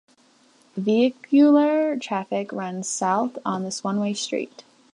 Vehicular traffic runs south on this one-way street.